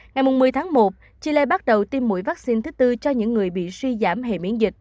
ngày một mươi tháng một chile bắt đầu tiêm mũi vắc xin thứ bốn cho những người bị suy giảm hệ miễn dịch